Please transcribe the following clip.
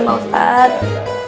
ya pak ustadz